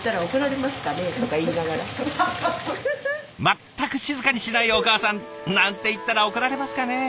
全く静かにしないお母さん！なんて言ったら怒られますかね？